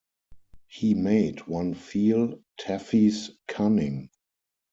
He made one feel Taffy’s cunning.